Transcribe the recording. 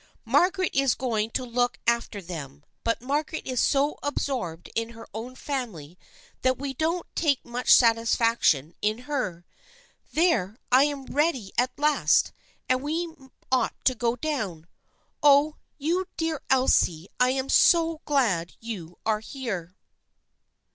Margaret is going to look af ter them, but Margaret is so absorbed in her own family that we don't take much satisfaction in her. There, I am ready at last, and we ought to go down. Oh, you dear old Elsie, I am so glad you are here